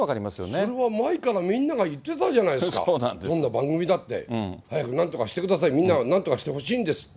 それは前からみんなが言ってたじゃないですか、この番組だって、早くなんとかしてください、みんなはなんとかしてほしいんですって。